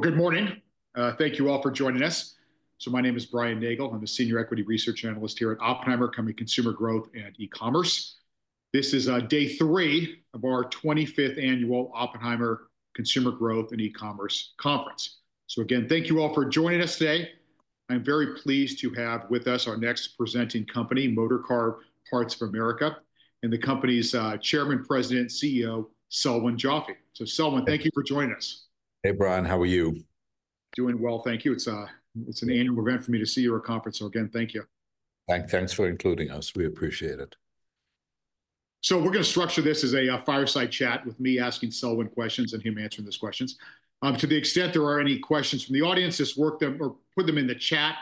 Good morning. Thank you all for joining us. My name is Brian Nagel. I'm a Senior Equity Research Analyst here at Oppenheimer, coming consumer growth and e-commerce. This is day three of our 25th annual Oppenheimer consumer growth and e-commerce conference. Thank you all for joining us today. I'm very pleased to have with us our next presenting company, Motorcar Parts of America, and the company's Chairman, President, CEO, Selwyn Joffe. Selwyn, thank you for joining us. Hey, Brian, how are you? Doing well, thank you. It's an annual event for me to see you at a conference. Again, thank you. Thanks for including us. We appreciate it. We're going to structure this as a fireside chat with me asking Selwyn questions and him answering those questions. To the extent there are any questions from the audience, just work them or put them in the chat,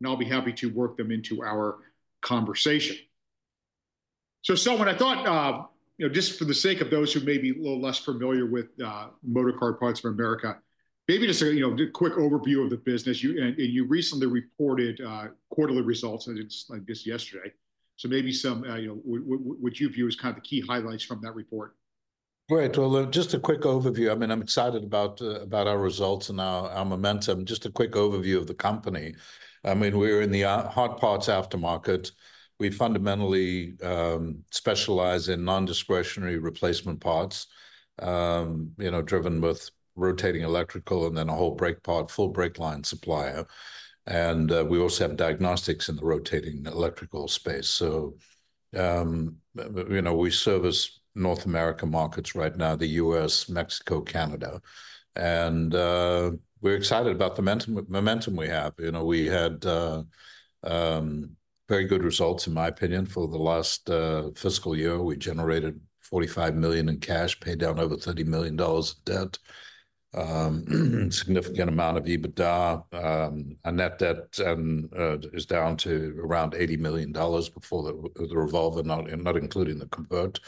and I'll be happy to work them into our conversation. Selwyn, I thought, just for the sake of those who may be a little less familiar with Motorcar Parts of America, maybe just a quick overview of the business. You recently reported quarterly results like this yesterday. Maybe some what you view as kind of the key highlights from that report. Right. Just a quick overview. I mean, I'm excited about our results and our momentum. Just a quick overview of the company. I mean, we're in the hard parts aftermarket. We fundamentally specialize in non-discretionary replacement parts, driven with rotating electrical and then a whole brake part, full brake line supplier. And we also have diagnostics in the rotating electrical space. We service North America markets right now, the U.S., Mexico, Canada. I'm excited about the momentum we have. We had very good results, in my opinion, for the last fiscal year. We generated $45 million in cash, paid down over $30 million of debt, a significant amount of EBITDA. Our net debt is down to around $80 million before the revolver, not including the convert.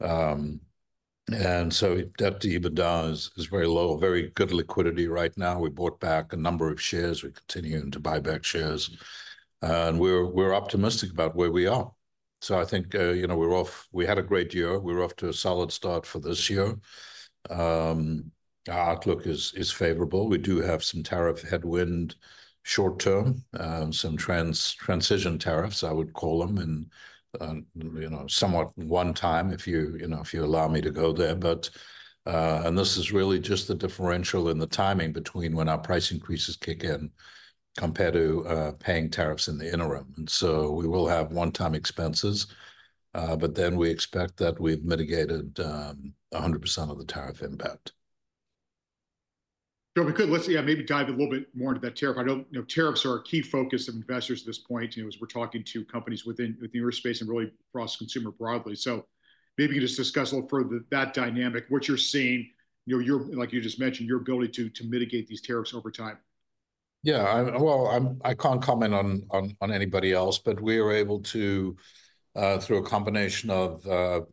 Debt to EBITDA is very low, very good liquidity right now. We bought back a number of shares. We're continuing to buy back shares. We're optimistic about where we are. I think we're off. We had a great year. We're off to a solid start for this year. Our outlook is favorable. We do have some tariff headwind short term, some transition tariffs, I would call them, and somewhat one time if you allow me to go there. This is really just the differential in the timing between when our price increases kick in compared to paying tariffs in the interim. We will have one-time expenses, but then we expect that we've mitigated 100% of the tariff impact. If we could, let's maybe dive a little bit more into that tariff. Tariffs are a key focus of investors at this point as we're talking to companies within the aerospace and really across consumer broadly. Maybe you can just discuss a little further that dynamic, what you're seeing, like you just mentioned, your ability to mitigate these tariffs over time. Yeah. I cannot comment on anybody else, but we are able to, through a combination of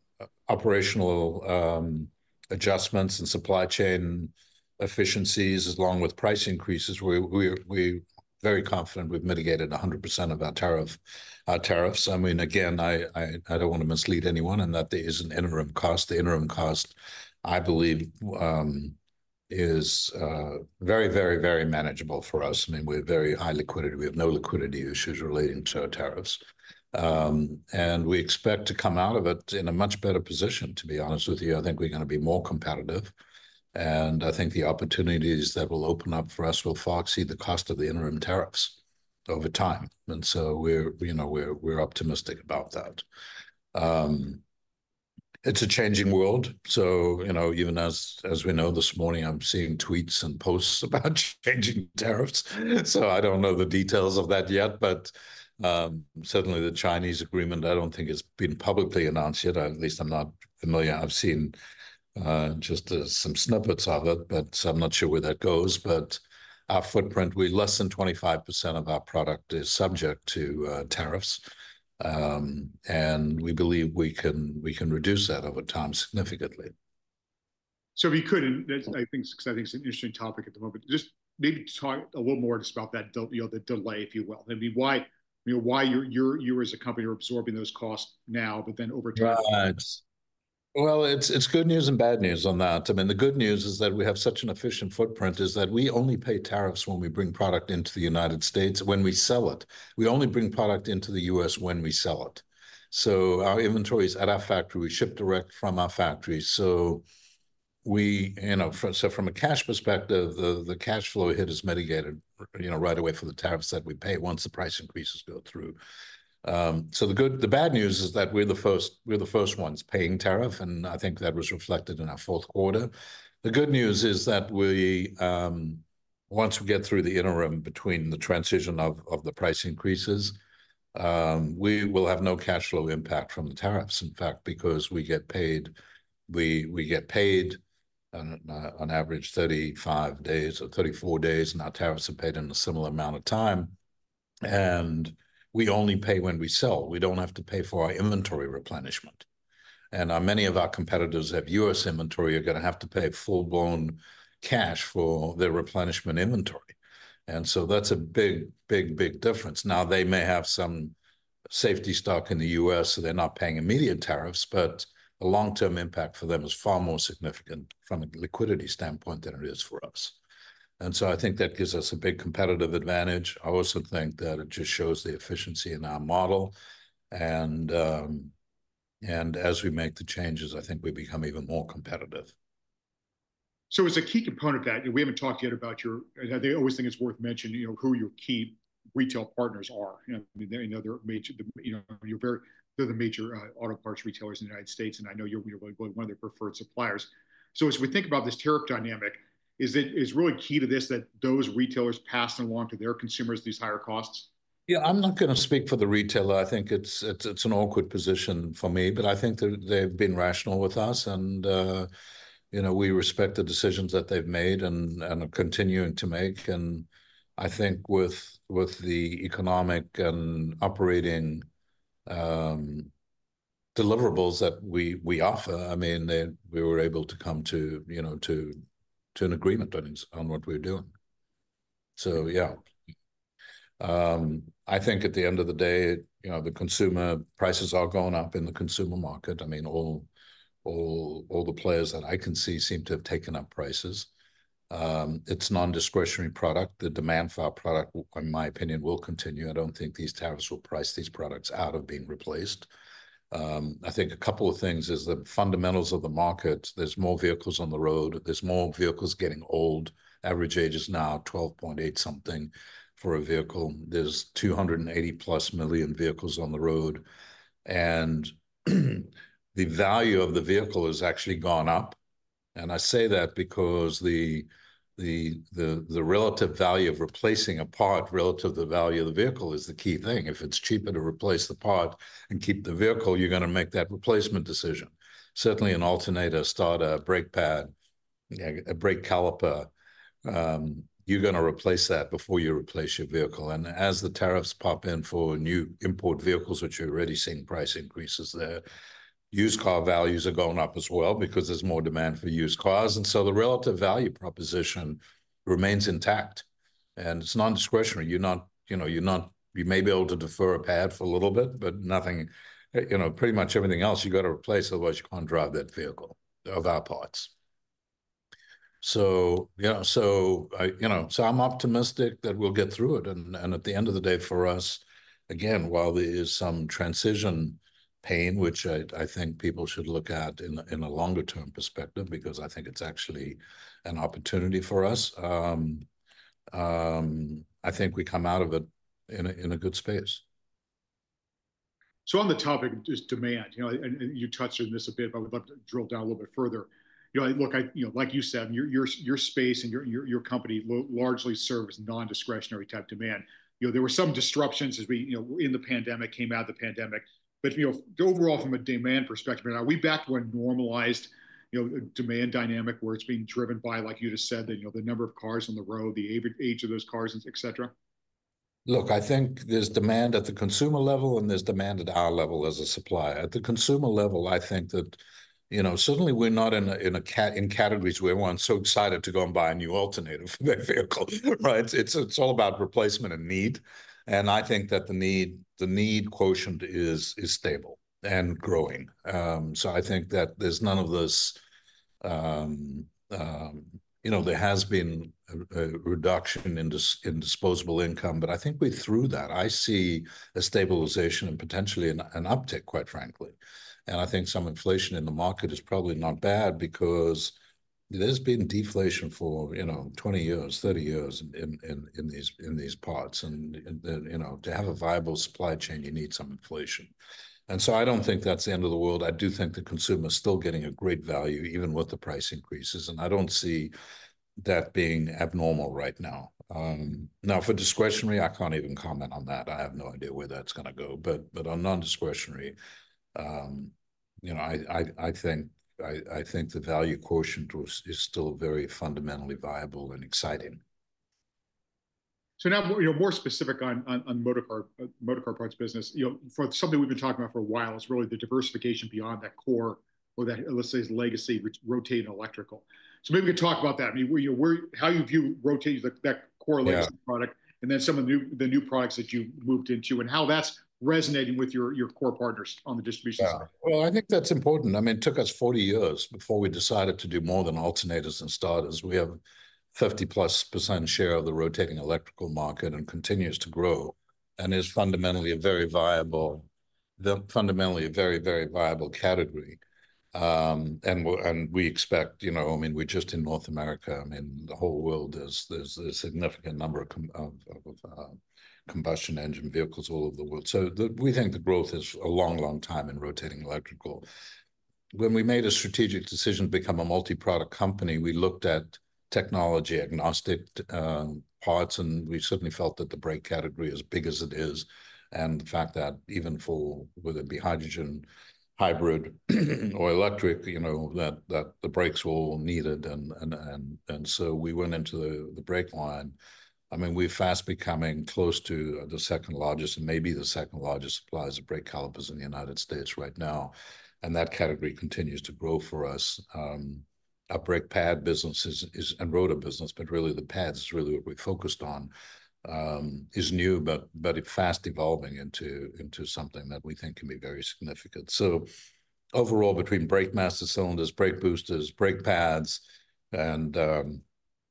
operational adjustments and supply chain efficiencies along with price increases, we are very confident we have mitigated 100% of that tariffs. I mean, again, I do not want to mislead anyone in that there is an interim cost. The interim cost, I believe, is very, very, very manageable for us. I mean, we have very high liquidity. We have no liquidity issues relating to our tariffs. We expect to come out of it in a much better position, to be honest with you. I think we are going to be more competitive. I think the opportunities that will open up for us will far exceed the cost of the interim tariffs over time. We are optimistic about that. It is a changing world. Even as we know this morning, I'm seeing tweets and posts about changing tariffs. I don't know the details of that yet, but certainly the Chinese agreement, I don't think it's been publicly announced yet. At least I'm not familiar. I've seen just some snippets of it, but I'm not sure where that goes. Our footprint, less than 25% of our product is subject to tariffs. We believe we can reduce that over time significantly. If you could, and I think it's an interesting topic at the moment, just maybe talk a little more just about that delay, if you will. I mean, why you as a company are absorbing those costs now, but then over time? It is good news and bad news on that. I mean, the good news is that we have such an efficient footprint that we only pay tariffs when we bring product into the United States when we sell it. We only bring product into the U.S. when we sell it. Our inventories are at our factory, we ship direct from our factory. From a cash perspective, the cash flow hit is mitigated right away for the tariffs that we pay once the price increases go through. The bad news is that we are the first ones paying tariff, and I think that was reflected in our fourth quarter. The good news is that once we get through the interim between the transition of the price increases, we will have no cash flow impact from the tariffs. In fact, because we get paid, we get paid on average 35 days or 34 days, and our tariffs are paid in a similar amount of time. We only pay when we sell. We do not have to pay for our inventory replenishment. Many of our competitors have U.S. inventory, are going to have to pay full-blown cash for their replenishment inventory. That is a big, big, big difference. They may have some safety stock in the U.S., so they are not paying immediate tariffs, but the long-term impact for them is far more significant from a liquidity standpoint than it is for us. I think that gives us a big competitive advantage. I also think that it just shows the efficiency in our model. As we make the changes, I think we become even more competitive. As a key component of that, we haven't talked yet about your, and I always think it's worth mentioning who your key retail partners are. I mean, they're the major auto parts retailers in the United States, and I know you're one of their preferred suppliers. As we think about this tariff dynamic, is it really key to this that those retailers pass along to their consumers these higher costs? Yeah, I'm not going to speak for the retailer. I think it's an awkward position for me, but I think they've been rational with us, and we respect the decisions that they've made and are continuing to make. I think with the economic and operating deliverables that we offer, I mean, we were able to come to an agreement on what we're doing. Yeah, I think at the end of the day, the consumer prices are going up in the consumer market. I mean, all the players that I can see seem to have taken up prices. It's non-discretionary product. The demand for our product, in my opinion, will continue. I don't think these tariffs will price these products out of being replaced. I think a couple of things is the fundamentals of the market. There's more vehicles on the road. There's more vehicles getting old. Average age is now 12.8 something for a vehicle. There are 280 plus million vehicles on the road. And the value of the vehicle has actually gone up. I say that because the relative value of replacing a part relative to the value of the vehicle is the key thing. If it is cheaper to replace the part and keep the vehicle, you are going to make that replacement decision. Certainly an alternator, starter, brake pad, brake caliper, you are going to replace that before you replace your vehicle. As the tariffs pop in for new import vehicles, which you are already seeing price increases there, used car values are going up as well because there is more demand for used cars. The relative value proposition remains intact. It is non-discretionary. You may be able to defer a pad for a little bit, but pretty much everything else you've got to replace, otherwise you can't drive that vehicle of our parts. I am optimistic that we'll get through it. At the end of the day for us, again, while there is some transition pain, which I think people should look at in a longer-term perspective because I think it's actually an opportunity for us, I think we come out of it in a good space. On the topic of just demand, and you touched on this a bit, but I would love to drill down a little bit further. Look, like you said, your space and your company largely serve as non-discretionary type demand. There were some disruptions in the pandemic, came out of the pandemic. Overall, from a demand perspective, are we back to a normalized demand dynamic where it's being driven by, like you just said, the number of cars on the road, the age of those cars, etc.? Look, I think there's demand at the consumer level and there's demand at our level as a supplier. At the consumer level, I think that certainly we're not in categories where everyone's so excited to go and buy a new alternative vehicle. It's all about replacement and need. I think that the need quotient is stable and growing. I think that there's none of this. There has been a reduction in disposable income, but I think we threw that. I see a stabilization and potentially an uptick, quite frankly. I think some inflation in the market is probably not bad because there's been deflation for 20 years, 30 years in these parts. To have a viable supply chain, you need some inflation. I don't think that's the end of the world. I do think the consumer is still getting a great value, even with the price increases. I do not see that being abnormal right now. Now, for discretionary, I cannot even comment on that. I have no idea where that is going to go. On non-discretionary, I think the value quotient is still very fundamentally viable and exciting. Now you're more specific on motorcar parts business. For something we've been talking about for a while, it's really the diversification beyond that core or that, let's say, legacy rotating electrical. Maybe we could talk about that. How you view rotating that core legacy product and then some of the new products that you moved into and how that's resonating with your core partners on the distribution side. I think that's important. I mean, it took us 40 years before we decided to do more than alternators and starters. We have a 50+% share of the rotating electrical market and continues to grow and is fundamentally a very viable category. I mean, we're just in North America. I mean, the whole world, there's a significant number of combustion engine vehicles all over the world. We think the growth is a long, long time in rotating electrical. When we made a strategic decision to become a multi-product company, we looked at technology-agnostic parts, and we certainly felt that the brake category, as big as it is, and the fact that even for whether it be hydrogen, hybrid, or electric, the brakes were all needed. We went into the brake line. I mean, we're fast becoming close to the second largest and maybe the second largest suppliers of brake calipers in the United States right now. That category continues to grow for us. Our brake pad business and rotor business, but really the pads is really what we focused on, is new, but fast evolving into something that we think can be very significant. Overall, between brake masters, cylinders, brake boosters, brake pads,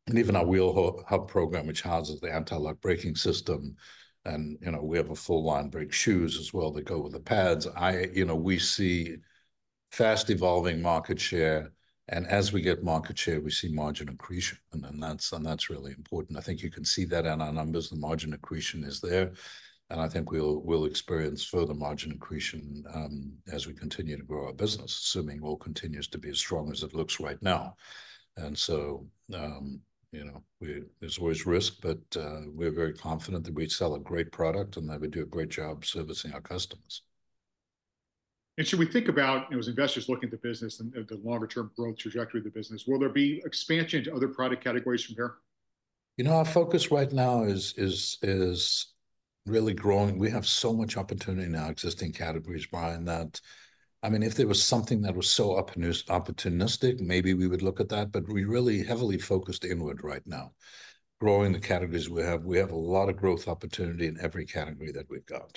and even our wheel hub program, which houses the anti-lock braking system, and we have a full line brake shoes as well that go with the pads, we see fast evolving market share. As we get market share, we see margin accretion. That's really important. I think you can see that in our numbers. The margin accretion is there. I think we'll experience further margin accretion as we continue to grow our business, assuming we'll continue to be as strong as it looks right now. There's always risk, but we're very confident that we sell a great product and that we do a great job servicing our customers. Should we think about, as investors look at the business and the longer-term growth trajectory of the business, will there be expansion to other product categories from here? You know, our focus right now is really growing. We have so much opportunity in our existing categories, Brian, that I mean, if there was something that was so opportunistic, maybe we would look at that, but we're really heavily focused inward right now. Growing the categories we have, we have a lot of growth opportunity in every category that we've got.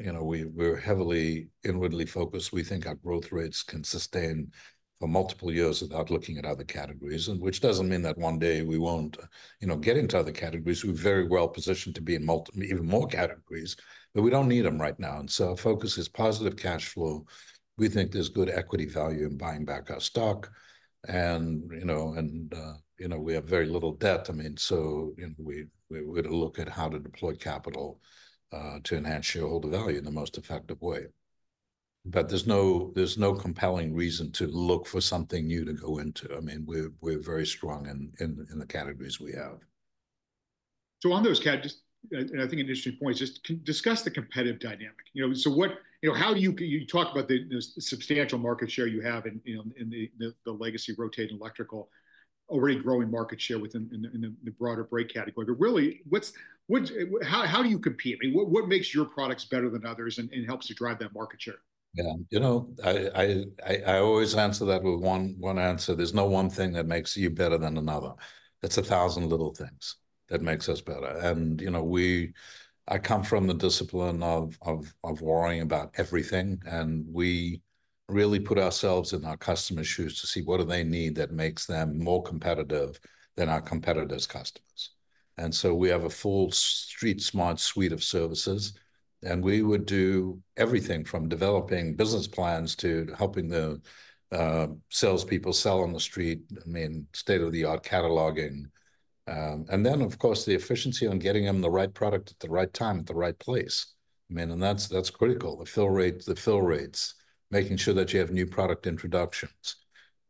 We are heavily inwardly focused. We think our growth rates can sustain for multiple years without looking at other categories, which does not mean that one day we will not get into other categories. We are very well positioned to be in even more categories, but we do not need them right now. Our focus is positive cash flow. We think there is good equity value in buying back our stock. We have very little debt. I mean, so we're going to look at how to deploy capital to enhance shareholder value in the most effective way. But there's no compelling reason to look for something new to go into. I mean, we're very strong in the categories we have. On those categories, and I think an interesting point, just discuss the competitive dynamic. How do you talk about the substantial market share you have in the legacy rotating electrical, already growing market share within the broader brake category? I mean, what makes your products better than others and helps to drive that market share? Yeah. You know, I always answer that with one answer. There's no one thing that makes you better than another. It's a thousand little things that makes us better. And I come from the discipline of worrying about everything. And we really put ourselves in our customer's shoes to see what do they need that makes them more competitive than our competitors' customers. We have a full street-smart suite of services. We would do everything from developing business plans to helping the salespeople sell on the street, I mean, state-of-the-art cataloging. Of course, the efficiency on getting them the right product at the right time at the right place. I mean, that's critical. The fill rates, making sure that you have new product introductions.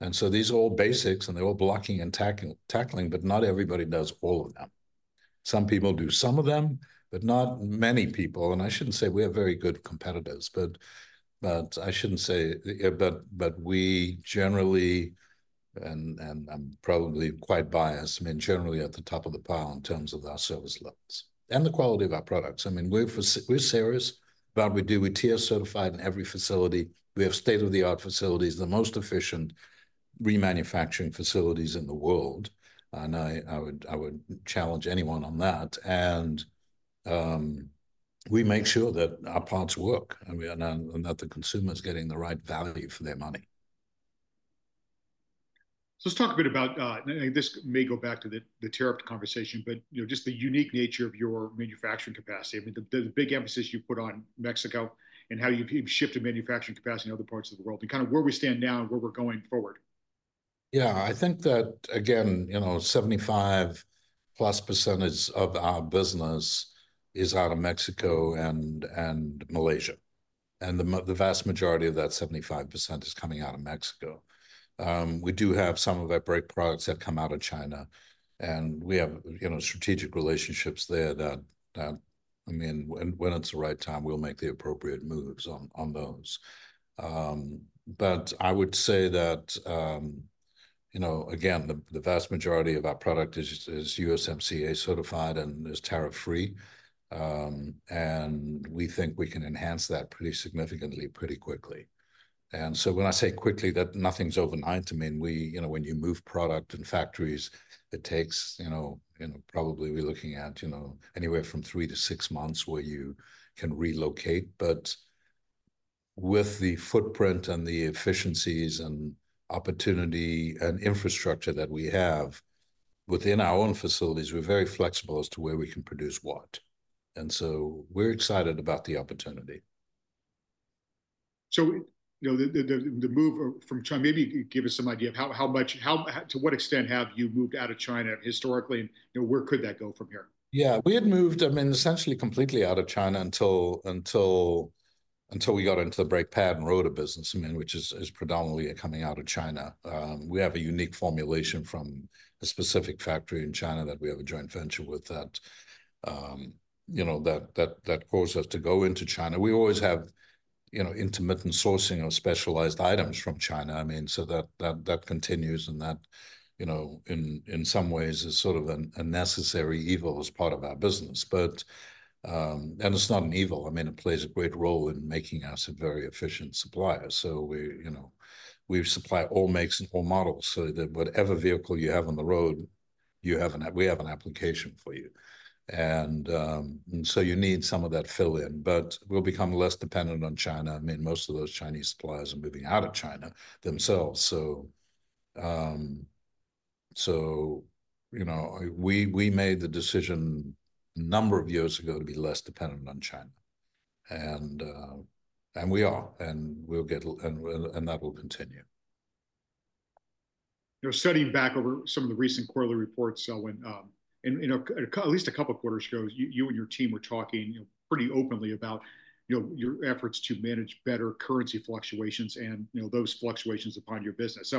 These are all basics, and they're all blocking and tackling, but not everybody does all of them. Some people do some of them, but not many people. I shouldn't say we have very good competitors, but I shouldn't say, but we generally, and I'm probably quite biased, I mean, generally at the top of the pile in terms of our service levels and the quality of our products. I mean, we're serious about what we do. We're Tier Certified in every facility. We have state-of-the-art facilities, the most efficient remanufacturing facilities in the world. I would challenge anyone on that. We make sure that our parts work and that the consumer is getting the right value for their money. Let's talk a bit about, and this may go back to the tariff conversation, but just the unique nature of your manufacturing capacity. I mean, the big emphasis you put on Mexico and how you've shifted manufacturing capacity in other parts of the world and kind of where we stand now and where we're going forward. Yeah, I think that, again, 75+% plus of our business is out of Mexico and Malaysia. The vast majority of that 75% is coming out of Mexico. We do have some of our brake products that come out of China. We have strategic relationships there that, I mean, when it's the right time, we'll make the appropriate moves on those. I would say that, again, the vast majority of our product is USMCA Certified and is tariff-free. We think we can enhance that pretty significantly, pretty quickly. When I say quickly, nothing's overnight. I mean, when you move product and factories, it takes probably, we're looking at anywhere from three to six months where you can relocate. With the footprint and the efficiencies and opportunity and infrastructure that we have within our own facilities, we're very flexible as to where we can produce what. And so we're excited about the opportunity. The move from China, maybe give us some idea of how much, to what extent have you moved out of China historically, and where could that go from here? Yeah, we had moved, I mean, essentially completely out of China until we got into the brake pad and rotor business, I mean, which is predominantly coming out of China. We have a unique formulation from a specific factory in China that we have a joint venture with that caused us to go into China. We always have intermittent sourcing of specialized items from China. I mean, so that continues, and that in some ways is sort of a necessary evil as part of our business. And it's not an evil. I mean, it plays a great role in making us a very efficient supplier. We supply all makes and all models. So that whatever vehicle you have on the road, we have an application for you. You need some of that fill in. But we'll become less dependent on China. I mean, most of those Chinese suppliers are moving out of China themselves. We made the decision a number of years ago to be less dependent on China. We are, and that will continue. You're studying back over some of the recent quarterly reports when at least a couple of quarters ago, you and your team were talking pretty openly about your efforts to manage better currency fluctuations and those fluctuations upon your business.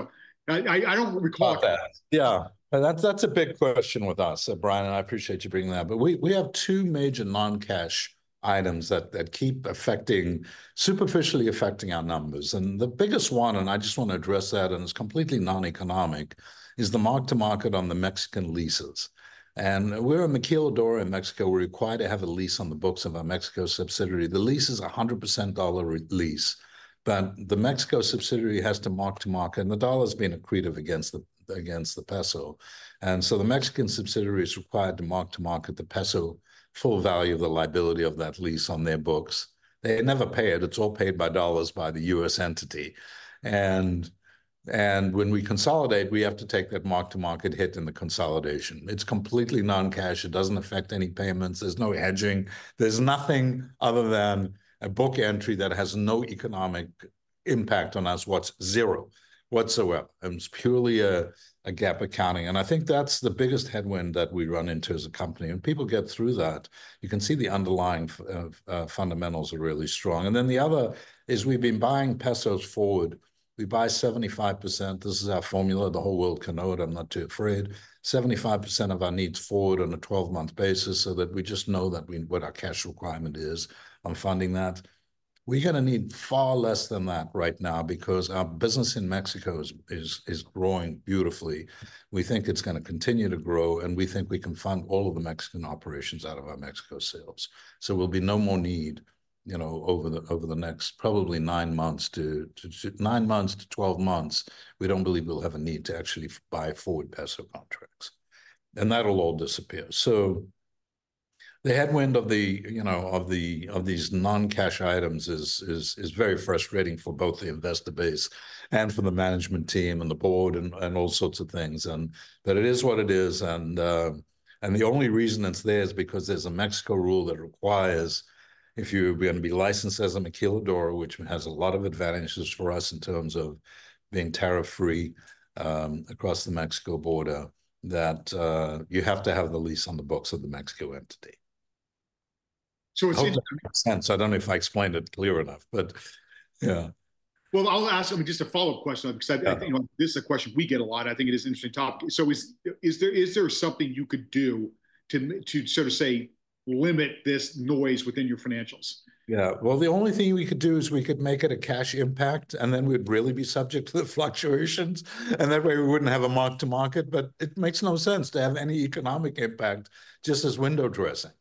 I don't recall. Yeah, that's a big question with us, Brian, and I appreciate you bringing that. We have two major non-cash items that keep affecting, superficially affecting our numbers. The biggest one, and I just want to address that, and it's completely non-economic, is the mark-to-market on the Mexican leases. We're a maquiladora in Mexico. We're required to have a lease on the books of a Mexico subsidiary. The lease is a 100% dollar lease, but the Mexico subsidiary has to mark-to-market, and the dollar's being accretive against the peso. The Mexican subsidiary is required to mark-to-market the peso full value of the liability of that lease on their books. They never pay it. It's all paid by dollars by the U.S. entity. When we consolidate, we have to take that mark-to-market hit in the consolidation. It's completely non-cash. It doesn't affect any payments. There's no hedging. There's nothing other than a book entry that has no economic impact on us, zero whatsoever. It's purely a GAAP accounting. I think that's the biggest headwind that we run into as a company. People get through that. You can see the underlying fundamentals are really strong. The other is we've been buying pesos forward. We buy 75%—this is our formula, the whole world can know it, I'm not too afraid—75% of our needs forward on a 12-month basis so that we just know what our cash requirement is on funding that. We're going to need far less than that right now because our business in Mexico is growing beautifully. We think it's going to continue to grow, and we think we can fund all of the Mexican operations out of our Mexico sales. There will be no more need over the next probably nine months to 12 months. We do not believe we will have a need to actually buy forward peso contracts. That will all disappear. The headwind of these non-cash items is very frustrating for both the investor base and for the management team and the board and all sorts of things. It is what it is. The only reason it is there is because there is a Mexico rule that requires if you are going to be licensed as a maquiladora, which has a lot of advantages for us in terms of being tariff-free across the Mexico border, that you have to have the lease on the books of the Mexico entity. So it's. I don't know if I explained it clear enough, but yeah. I'll ask, I mean, just a follow-up question because this is a question we get a lot. I think it is an interesting topic. Is there something you could do to sort of say limit this noise within your financials? Yeah. The only thing we could do is we could make it a cash impact, and then we'd really be subject to the fluctuations. That way, we wouldn't have a mark-to-market. It makes no sense to have any economic impact, just as window dressing.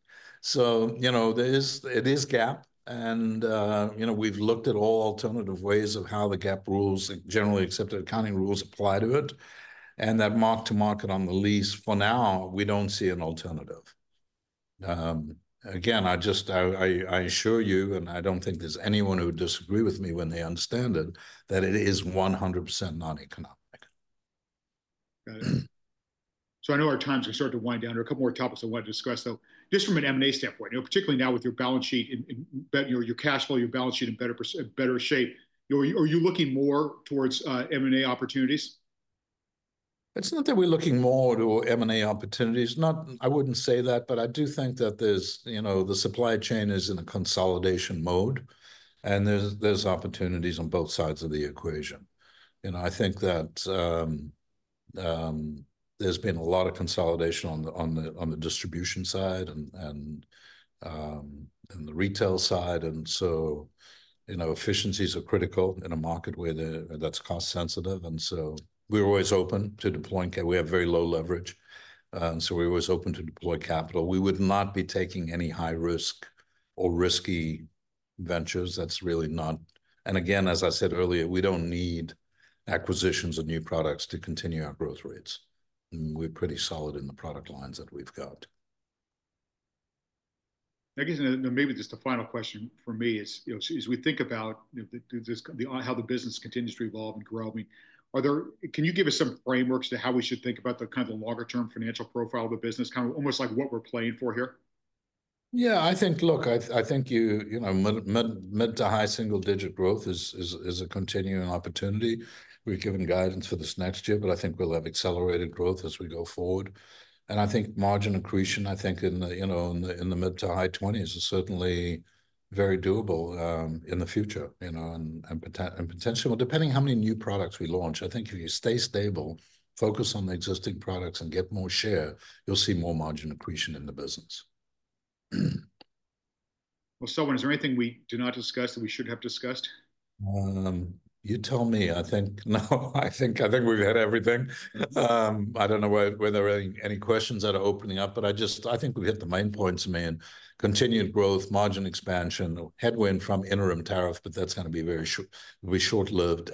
This GAAP. We've looked at all alternative ways of how the GAAP rules, generally accepted accounting rules, apply to it. That mark-to-market on the lease, for now, we don't see an alternative. Again, I assure you, and I don't think there's anyone who would disagree with me when they understand it, that it is 100% non-economic. Got it. I know our time's starting to wind down. There are a couple more topics I want to discuss. Just from an M&A standpoint, particularly now with your balance sheet, your cash flow, your balance sheet in better shape, are you looking more towards M&A opportunities? It's not that we're looking more to M&A opportunities. I wouldn't say that, but I do think that the supply chain is in a consolidation mode. There are opportunities on both sides of the equation. I think that there's been a lot of consolidation on the distribution side and the retail side. Efficiencies are critical in a market where that's cost-sensitive. We're always open to deploying. We have very low leverage. We're always open to deploy capital. We would not be taking any high-risk or risky ventures. That's really not. Again, as I said earlier, we don't need acquisitions of new products to continue our growth rates. We're pretty solid in the product lines that we've got. I guess maybe just a final question for me is, as we think about how the business continues to evolve and grow, can you give us some frameworks to how we should think about the kind of longer-term financial profile of the business, kind of almost like what we're playing for here? Yeah, I think, look, I think mid to high single-digit growth is a continuing opportunity. We're giving guidance for this next year, but I think we'll have accelerated growth as we go forward. I think margin accretion, I think in the mid to high 20% is certainly very doable in the future. Potentially, well, depending on how many new products we launch, I think if you stay stable, focus on the existing products, and get more share, you'll see more margin accretion in the business. Selwyn, is there anything we do not discuss that we should have discussed? You tell me. I think now I think we've had everything. I don't know whether any questions that are opening up, but I think we've hit the main points. I mean, continued growth, margin expansion, headwind from interim tariff, but that's going to be very short-lived.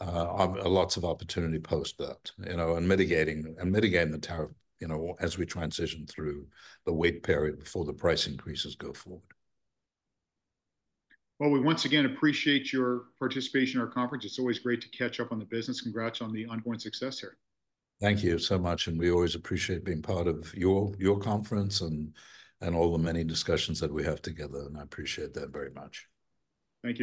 Lots of opportunity post that and mitigating the tariff as we transition through the wait period before the price increases go forward. Once again, we appreciate your participation in our conference. It's always great to catch up on the business. Congrats on the ongoing success here. Thank you so much. We always appreciate being part of your conference and all the many discussions that we have together. I appreciate that very much. Thank you.